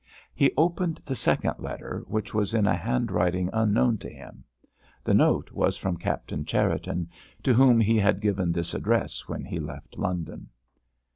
He opened the second letter, which was in a handwriting unknown to him. The note was from Captain Cherriton, to whom he had given this address when he left London.